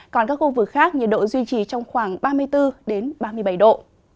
còn các khu vực khác nhiệt độ duy trì trong khoảng ba mươi bốn ba mươi bảy độ